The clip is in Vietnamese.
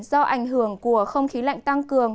do ảnh hưởng của không khí lạnh tăng cường